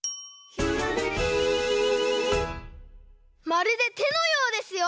まるでてのようですよ！